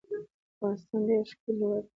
افغانستان ډیر ښکلی هیواد ده